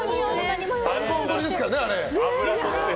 ３本撮りですからね。